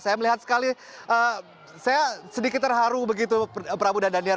saya melihat sekali saya sedikit terharu begitu prabu dan daniar